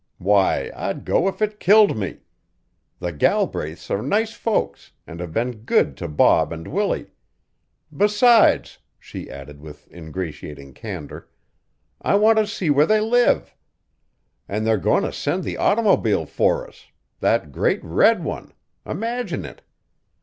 Why, I'd go if it killed me! The Galbraiths are nice folks an' have been good to Bob and Willie. Besides," she added with ingratiating candor, "I want to see where they live. An' they're goin' to send the automobile for us, that great red one imagine it!